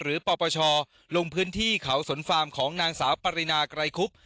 ปปชลงพื้นที่เขาสนฟาร์มของนางสาวปรินาไกรคุบ